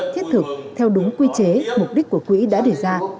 thiết thực theo đúng quy chế mục đích của quỹ đã để ra